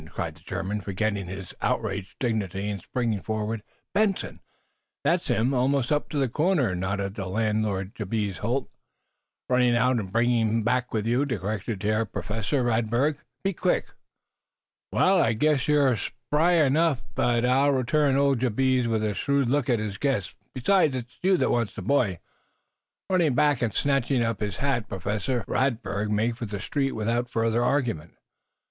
cried the German, forgetting his outraged dignity and springing forward. "Benson?" "That's him almost up to the corner," nodded Landlord Jabez Holt. "Run out and bring him back with you," directed Herr Professor Radberg. "Be quick!" "Waal, I guess you're spryer'n I be," returned old Jabez, with a shrewd look at his guest. "Besides, it's you that wants the boy." Running back and snatching up his hat, Professor Radberg made for the street without further argument.